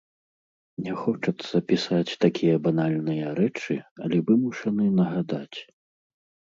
Не хочацца пісаць такія банальныя рэчы, але вымушаны нагадаць.